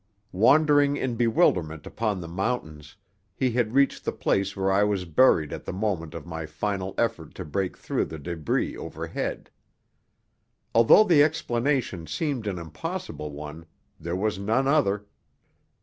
Wandering in bewilderment upon the mountains, he had reached the place where I was buried at the moment of my final effort to break through the débris overhead. Although the explanation seemed an impossible one, there was none other.